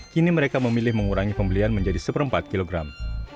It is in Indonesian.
kini mereka memilih mengurangi pembelian menjadi seperempat kilogram